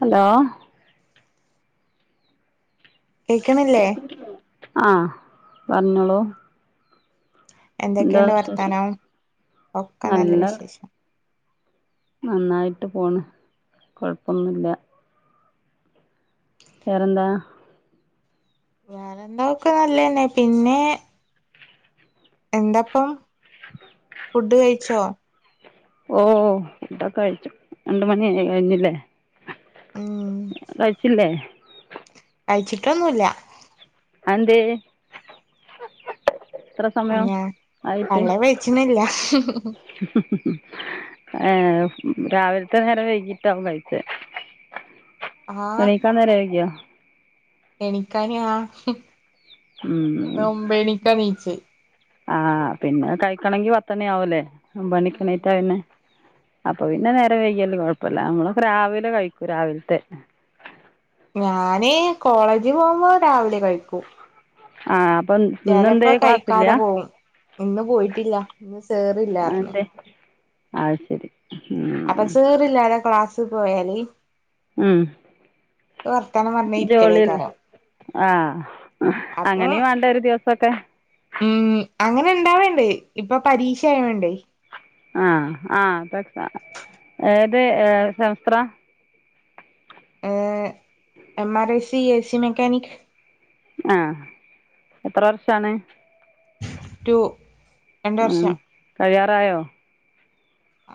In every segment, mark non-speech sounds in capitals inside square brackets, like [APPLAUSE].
Hello കേക്കണില്ലേ ആ പറഞ്ഞോളൂ എന്താ എന്തൊക്കെയുണ്ട് വിശേഷം വർത്താനവും ഒക്കെ നല്ല വിശേഷം നന്നായിട്ട് പോണ് കുഴപ്പൊന്നുമില്ല വേറെന്താ വേറെന്താ ഒക്കെ നല്ല തന്നെ പിന്നെ എന്താപ്പം ഫുഡ് കഴിച്ചോ ഓ ഇവിടെ കഴിച്ചു രണ്ടു മണി കഴിഞ്ഞില്ലേ ഉം കഴച്ചില്ലേ കഴിച്ചിട്ടൊന്നുമില്ല അതന്തെ ഞാൻ നല്ല വഴിച്ചന്നില്ല [UNINTELLIGIBLE] ഏ, രാവിലത്തെ നേരം വൈകിട്ടാവും കഴിക്കാൻ എണിക്കാൻ നേരം വൈകിയ എണീക്കാനാ ഉ നീച്ചെ ആ, പിന്നെ കഴിക്കണെങ്കി പത്ത് മണി ആവുവല്ലേ ഒൻപത് മണിക്ക് എഴുന്നേറ്റ വരുന്നെ അപ്പൊ പിന്നെ എത്ര വൈകിയാലും കുഴപ്പമില്ല നമ്മള് രാവിലെ കഴിക്കൂ രാവിലത്തെ ഞാനേ കോളേജ് പോകുമ്പോ രാവിലെ കഴിക്കൂ ആ, അപ്പൊ ഇന്ന് എന്നെ ക്ലാസ്സില്ല കഴിക്കാതെ പോവും ഇന്ന് പോയിട്ടില്ല ഇ ചേറി ആതെ ആ ശരി അപ്പൊ സേറില്ലാതെ ക്ലാസ്ൽ പോയാല് ഉം വർത്തനം പറഞ്ഞ ഇരിക്കലേക്കാരം ആ അപ്പം അങ്ങനെയും വേണ്ട ഒരു ദിവസൊക്കെ ഉം അങ്ങനെ ഇണ്ടാവേണ്ട്, ഇപ്പ പരീക്ഷ ആയോണ്ട് ആ ആ ഏത് [UNINTELLIGIBLE] ഏഹ് M R C AC mechanic. ആഹ എത്ര വർഷാണ്. ടൂ ഉം കഴിയാറിയോ?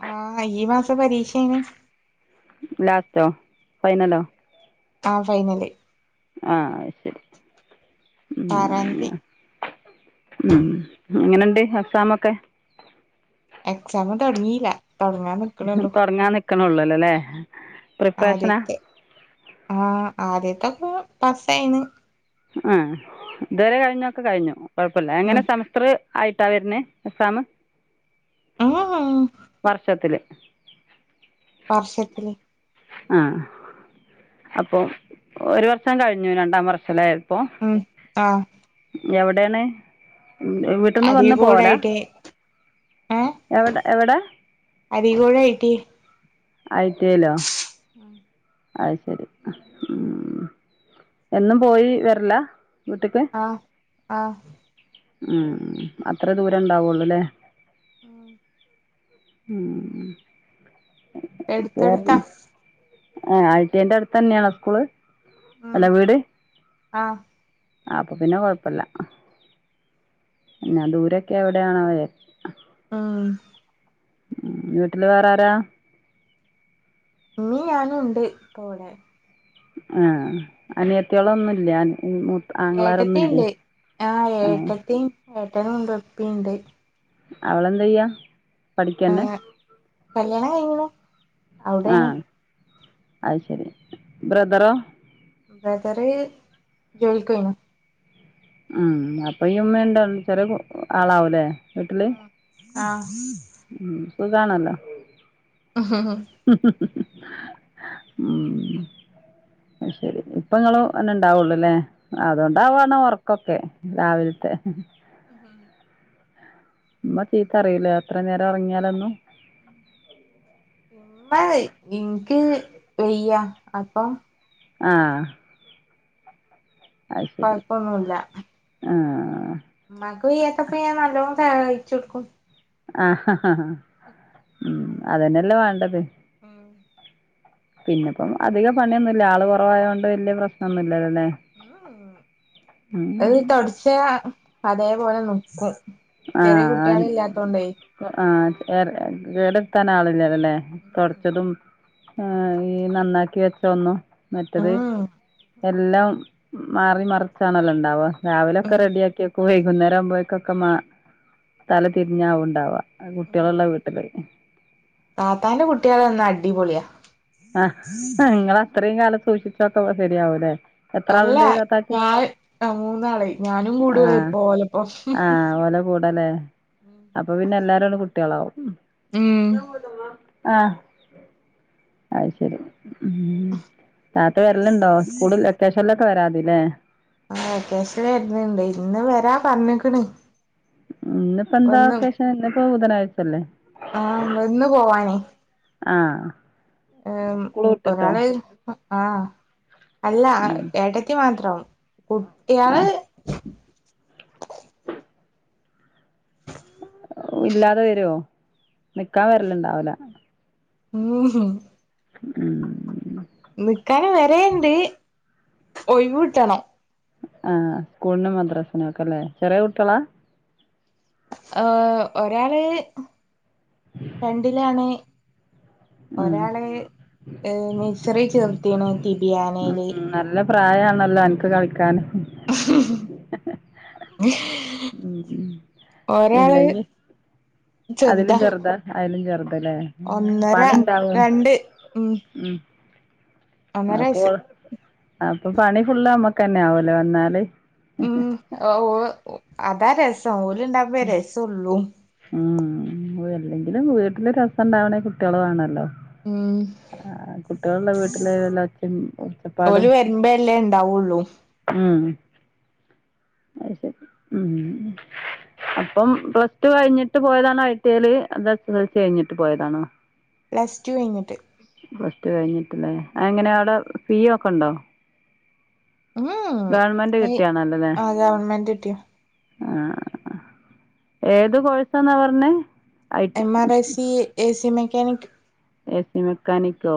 ആ, ഈ മാസം പരീക്ഷയാണ്. ലാസ്റ്റോ, ഫൈനലോ? ആ ഫൈനല്. ആ, ശരി ആറാംതി ഉം എങ്ങനെണ്ട് എക്സാമൊക്കെ എക്സാം തുടങ്ങിയില്ല തുടങ്ങാന്ന് തുടങ്ങാൻ നിക്കണുള്ളല്ലോ അല്ലേ പ്രിപ്പറേഷനാ ആ ആദ്യത്തെൊെക്കെ പാസ്സ് ആയി. ആ ഇതുവരെ കഴിഞ്ഞൊക്കെ കഴിഞ്ഞു കുഴപ്പമില്ല ഉം എങ്ങനെ സ എത്ര ആയിട്ടാണ് വരുന്നെ എക്സാമ് ഉം വർഷത്തില് വർഷത്തി ആ അപ്പോൾ ഒരു വർഷം കഴിഞ്ഞു രണ്ടാം വർഷ അല്ലെ അപ്പോൾ? ഉം ആ എവിടെയാണ് പട്ടന്ന് വന്ന് പോല അരീക്കോടായിട്ട് എവിടെ എവിടെ അരികുഴെ കിട്ടി ഐ റ്റി യേലോ ഉം അത് ശരി എന്നും പോയി വരല്ല വീട്ടെക്ക്? ആഹ് ആഹ് അത്ര ദൂരം ഉണ്ടാവുള്ളൂ അല്ലേ? ആ ഉം വേറെ എടുത്തടുത്താ ആ ഐടിന്റെ അടുത്ത് തന്നെയാണ് സ്കൂള് ഉം അല്ല വീട്? ആഹ് ആഹ് അപ്പൊ പിന്നെ കൊഴപ്പില്ല എന്ന ദൂരൊക്കെ എവിടെയാണോ ആഹ് ഉം വീട്ടില് വേറെ ആരാ ഇമ്മീ ഞാന ഉണ്ട് ഇപ്പോടെെ. ആഹ് അനിയത്തികളൊന്നുല്ല? ഏട്ടത്തി ഉണ്ട് ആ് ആഹ് ഏട്ടത്തി ഏട്ടനും ഉണ്ട് ഉപ്പ ഉണ്ട്. അവളെന്തെയ്യാ പഠിക്കന്നെ? ഏഹ് കല്യാണം കഴിഞ്ഞ്ണ്. അവിടേണ് ആഹ് അത് ശരി ബ്രദറോ. ബ്രദറ് ജോലിക്കൊയിണ്. ഉം അപ്പൊ ഉമ്മണ്ടണ്ട് ചെറിയ ആളാവൂല്ലേ വീട്ടില്? ആഹ് ഉം സുഖാണല്ലോ മഹ്ഹ്ഹ്. മഹ്ഹ്ഹ് ഉം അ ശരി ഇപ്പങ്ങളോ അന്ന ഇണ്ടാവുള്ളൂല്ലേ? അതുകൊണ്ടാവണം ഒർക്കൊക്കെ രാവിലത്തെ [INAUDIBLE] ഇമ്മ ചീത്ത അറിയില്ല എത്ര നേരം ഇറങ്ങിയാലന്നും? അമ്മ ഇൻക്ക് വയ്യ അപ്പ ആഹ് അയ്ശരി കൊഴപ്പൊന്നുല്ല ആഹ് ഇമ്മാക്ക് വയ്യാത്തപ്പം ഞാൻ നല്ലോ സഹായിച്ചൊട്ക്കും ആഹ് ഉം അതെന്നെല്ല വാണ്ടത് ഉം പിന്നെപ്പം അധിക പണിയൊന്നുല്ല ആള് കൊറവായോണ്ട് വല്യ പ്രശ്നൊന്നും ഇല്ലല്ലോ ലേ ഉം അത് തൊട്ച്ചാ അതേപോലെ നിക്കും ചെറിയ ആഹ് കുട്ട്യള് ഇല്ലാത്തോണ്ടേ ആഹ് കേട് കേടെര്ത്താൻ ആള്ല്ലല്ലോ ല്ലേ തൊട്ച്ചതും ആഹ് ഈ നന്നാക്കി വെച്ചൊന്നും മറ്റെത് ഉം എല്ലം മാറി മറിച്ചാണെല്ലോ ഇണ്ടാവാ രാവിലെ ഉം ഒക്കെ റെഡിയാക്കിയക്കും വൈകുന്നേരം ആവുമ്പോഴേക്കൊക്കെ മാ തല തിരിഞ്ഞാവുണ്ടാവാ ഉം കുട്ട്യള് ഇള്ള വീട്ടില് താത്താന്റെ കുട്ട്യള് വന്നാ അടിപൊളിയാ ആഹ് ഇങ്ങള് അത്രേം കാലം സൂക്ഷിച്ചൊക്കെ പ്പ ശരിയാവൂല്ലേ എത്ര ആളുണ്ട് അള്ളാ താത്താക്ക് ഞാൻ മൂന്നാളായി ഞാനും കൂടും ഓലപ്പോ കൂടലേ അപ്പൊ പിന്നെ എല്ലാരടും കുട്ട്യളാവും ഉം ആഹ് അത് ശരി ഉം താത്ത വരല്ണ്ടോ സ്കൂളിൽ ലൊക്കേഷനിലൊക്കെ വരാതില്ലേ ആ വെക്കേഷൽ വര്ന്ന്ണ്ട് ഇന്ന് വരാ പറഞ്ഞ്ക്ക്ണ് ഉം ഇന്ന്പ്പെന്താ വെക്കേഷൻ ഇന്ന്പ്പ ബുധനാഴ്ചല്ലേ ആഹ് വന്ന് ആഹ് ഏ ഉം സ്കൂള് വിട്ടിട്ടോ ഒരാള് ആഹ് അല്ല ഉം ഏട്ടത്തി മാത്രം കുട്ട്യാള് ആഹ് ഇല്ലാതെ വരുഓ നിക്കാൻ വരൽണ്ടാവൂല ഉം ഹ് ഉം നിക്കാനും വരേണ്ട് ഒഴിവ്ട്ടണം ആഹ് സ്കൂളിനും മദ്രാസിനും ഒക്കെ ലേ ചെറിയ കുട്ട്യളാ ആഹ് ഒരാള് രണ്ടിലാണ് ഉം ഒരാള് ഏ നെയ്സറി ചേർത്തീണ് തിപിയാന്ന് ഉം നല്ല പ്രായാണല്ലോ അൻക്ക് കളിക്കാന് ഉം ഉം ഒരാള് ഇല്ലെങ്കി അതിലും ചെറുതാ അതിലും ചെറുത് ലേ ഒന്നര പണിണ്ടാവും ഉം ഒന്നര അപ്പോൾ വയസ്സ് അപ്പൊ പണി ഫുള്ള് അമ്മക്കെന്നെ ആവുലേ വന്നാല് ഔവ് അതാ രസം ഓലുണ്ടാകുമ്പയേ രസം ഒള്ളൂ ഉം അല്ലെങ്കിലും വീട്ടില് രസംണ്ടാവണേ കുട്ട്യള് വാണല്ലോ ഉം ആഹ് കുട്ട്യള് ള്ളെ വീട്ടില് ഇള്ളൊച്ചിം ഒച്ചപ്പാടും ഇമ്മെല്ലേ ഇണ്ടാവൊള്ളൂ ഉം അത് ശരി ഉം അപ്പം പ്ലസ് ടു കഴിഞ്ഞിട്ട് പോയതാണോ ഐ ടി ഐല് അതോ എസ് എസ് എൽ സി കഴിഞ്ഞിട്ട് പോയതാണോ പ്ലസ് ടു കഴിഞ്ഞിട്ട് പസ് ടൂ കഴിഞ്ഞിട്ട്ല്ലേ അതെങ്ങനെ അവിടെ ഫീ ഒക്കെ ഇണ്ടോ ഉം ഗവൺമെന്റ് കിട്ടിയാണല്ലോ ല്ലേ ആ ഗവൺമെന്റ് കിട്ടിയ ആഹ് ഏത് കോഴ്സാന്നാ പറഞ്ഞെ ഐ ടി മാറേസീ A C mechanic A C മെക്കാനിക്കോ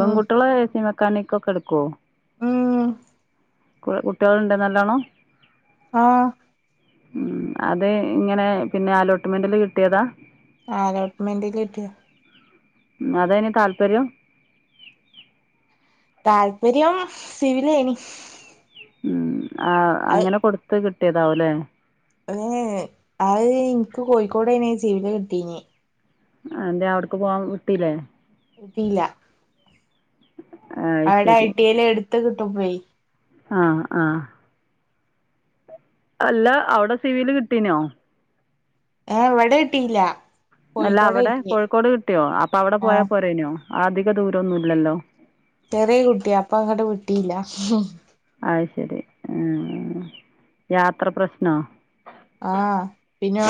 ഉം എ സി മെക്കാനിക്കൊക്കെ ഇട്ക്കോ ഉം കു കുട്ട്യള്ണ്ടോ നല്ലോണം ആഹ് ഉം അത് ഇങ്ങനെ പിന്നെ അലോട്ട്മെന്റില് കിട്ടിയതാ ആ അലോട്ട്മെന്റ് കിട്ടിയ ഉം അതെനി താല്പര്യം താല്പര്യം സിവിലേണി ഉം ആഹ് അങ്ങനെ കൊടുത്ത് കിട്ടിയതാവുല്ലേ ഹേ ഹേ അത് എനിക്ക് കോഴിക്കോടേനി സിവില് കിട്ടീന് ആഹ് എന്തേ അവിട്ക്ക് പോവം വിട്ടീല്ലേ ഇല്ലാ അത് അവിടെ ശരി ഐടി ഏല് എടുത്ത് കിട്ടും ബേ ആഹ് ആഹ് അല്ല അവിടെ സിവില് കിട്ടീനോ ഏ ഇവിടെ കിട്ടീലാ അല്ല അവിടെ കോഴിക്കോട് കിട്ടിയോ അപ്പൊ അവിട പോയാ ആഹ് പോരേനോ അധിക ദൂരോന്നുല്ലല്ലോ ചെറിയ കുട്ടിയാ അപ്പ അങ്ങട്ട് വിട്ടീലാ അയ്ശരി ഉം യാത്ര പ്രശ്നോ ആഹ് പിന്നെ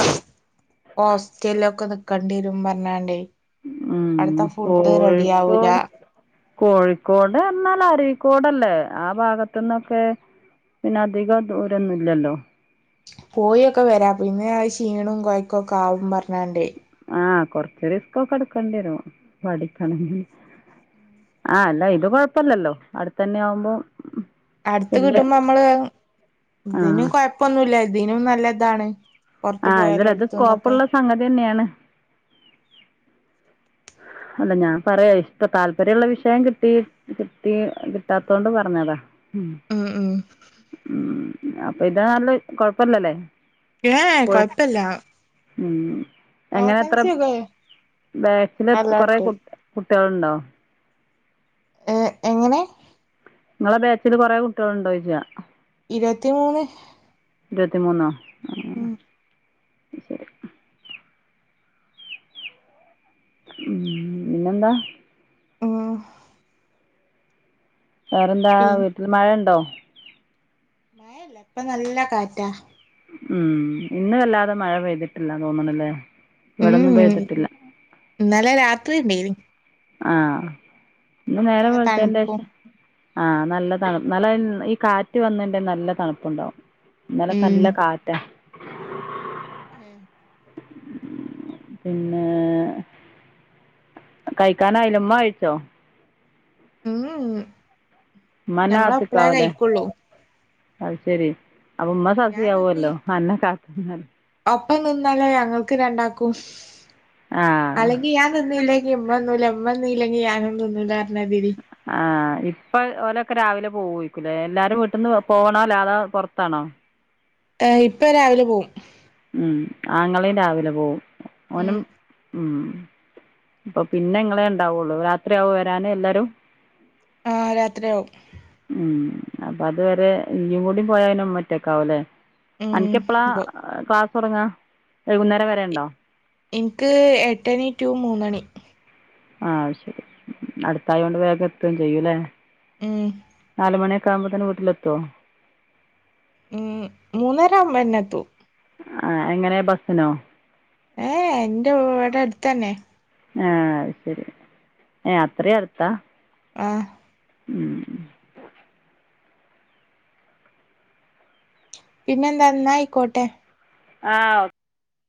ഹോസ്റ്റലൊക്ക നിക്കണ്ടി വരും പറഞ്ഞാണ്ടേ ഉം അവിടുത്തെ ഫുഡ് റെഡി ആവൂല കോഴിക്കോട് കോഴിക്കോട് എന്നാല് അരീക്കോടല്ലേ ആ ഭാഗത്തുന്നൊക്കെ പിന്നെ അധികം ദൂരൊന്നുല്ലല്ലോ പോയി ഒക്കെ വരാം പിന്നെ ക്ഷീണോം കൊയ്കൊക്ക ആവും പറഞ്ഞാണ്ടെ ആഹ് കൊറച്ച് റിസ്കൊക്കെ എടുക്കേണ്ടി വരും പഠിക്കണങ്കി ആഹ് അല്ല ഇത് കൊഴപ്പല്ലല്ലോ അടുത്തന്നെ ആവുമ്പോ അടുത്ത് വല്യ കിട്ടുമ്പോ നമ്മള് ഇതിനു ആഹ് കൊഴപ്പൊന്നുല്ല ഇതിനും നല്ലദാണ് ആഹ് ഇതല്ല ഇത് സ്കോപ്പുള്ള സംഗതിന്നെയാണ് അല്ല ഞാൻ പറയാ ഇഷ്ടം താല്പര്യ ഉള്ള വിഷയം കിട്ടി കിട്ടി കിട്ടാത്തോണ്ട് പറഞ്ഞതാ ഉം ഉം ഉം ഉം അപ്പൊ ഇതാ നല്ലേ കൊഴപ്പില്ലല്ലേ ഏയ് കൊഴപ്പല്ല ഉ എങ്ങനെത്ര വേക്കൻസി ഒക്കെ ബാച്ചിലത്ര നല്ലോണ്ട് കുട്ടിളുണ്ടോ ഏ എങ്ങനെ നിങ്ങളെ ബേച്ചില് കുറെ കുട്ടിളുണ്ടോ ചോദിച്ചാ ഇരുപത്തിമൂന്ന് ഇരുപത്തിമൂന്നോ ഉം ഉ പിന്നെന്താ ഉം വേറെന്താ പി വീട്ടിൽ മഴണ്ടോ മഴല്ല ഇപ്പ നല്ല കാറ്റാ ഉം ഇന്ന് വല്ലാതെ മഴ പെയ്തിട്ടില്ലന്ന് തോന്നണില്ലേ ഇവിടന്നും ഉം പെയ്തിട്ടില്ല ഇന്നലെ രാത്രിയുണ്ടെനിം ആഹ് ഇന്ന് നല്ല നേരം തണുപ്പും വെളുത്തെന്റെഷം ആഹ് നല്ല തണു നല്ല ഈ കാറ്റ് വന്നെന്റെ നല്ല തണുപ്പുണ്ടാവും ഇന്നലൊക്കെ ഉം നല്ല കാറ്റാ ഉം പിന്നെ കഴിക്കാനായില്ലേ മ്മ കയിച്ചോ മ് ഹ് മ്മന്നെ കാത്ത്ക്കാവുല്ലെ കഴിക്കൊള്ളൂ അത് ശെരി അപ്പ ഉമ്മ സസി ഞാൻ തിന്ന് ആവൊല്ലോ അന്നെ കാത്ത ഒപ്പം നിന്നല്ലേ ഞങ്ങൾക്ക് രണ്ടാക്കും ആ അല്ലെങ്കിൽ ഞാൻ തിന്നില്ലേ ഇമ്മ തിന്നൂല ഇമ്മന്നില്ലെങ്കി ഞാനും തിന്നുല്ലാറ്ഞ്ഞതിര് ആഹ് ഇപ്പ ഓലൊക്കെ രാവിലെ പോവ്വേക്കൂലേ എല്ലാരും വീട്ട്ന്ന് പോവ്ണോലാ അതോ പൊറത്താണോ ഏ ഇപ്പ രാവിലെ പോവും ഉം ആങ്ങളേം രാവിലെ പോവും ഓനും ഉം ഉം അപ്പൊ പിന്നെ ഇങ്ങളെ ഇണ്ടാവോള്ളൂ രാത്രിയാവോ വരാന് എല്ലാരും ആഹ് രാത്രിയാവും ഉം അപ്പത് വരെ ഇയ്യ്കൂടിം പോയാ പിന്നെ ഇമ്മ ഒറ്റക്കാവുലേ ഉം അനക്കെപ്പളാ ഇപ്പൊ ക്ലാസൊട്ങ്ങാ വൈകുന്നേരം വരെണ്ടോ ഇന്ക്ക് എട്ടണി ടു മൂന്നണി ആഹ് അത് ശരി അട്ത്തായോണ്ട് വേഗം എത്തും ചെയ്യൂലേ ഏഹ് നാല്മണിയൊക്കാവുമ്പോത്തിന് വീട്ടിലെത്തോ ഉം മൂന്നരാവുമ്പോന്നെ എത്തും ഏഹ് എങ്ങനെ ബസ്സ്‌നോ ഏയ്ഏഹ് ഇന്റെവടെ എട്ത്തെന്നെ ആഹ് അത് ശരി അത്രേം അട്ത്താ ആഹ് മ്മ് പിന്നെന്താ ഇന്നാ അയിക്കോട്ടെ ആഹ് ഓ